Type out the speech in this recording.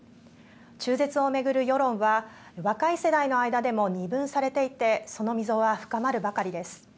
中絶を巡る世論は若い世代の間でも二分されていてその溝は深まるばかりです。